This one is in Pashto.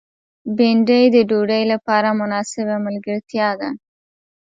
بېنډۍ د ډوډۍ لپاره مناسبه ملګرتیا ده